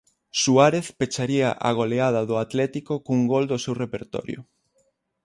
Suárez pecharía a goleada do Atlético cun gol do seu repertorio.